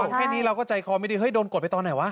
แค่นี้เราก็ใจคอไม่ดีเฮ้โดนกดไปตอนไหนวะ